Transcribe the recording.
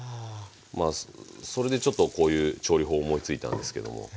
まあそれでちょっとこういう調理法を思いついたんですけども。